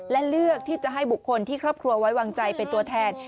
และเลือกที่จะให้บุคคลที่ครอบครัวไว้วางใจเป็นตัวแทน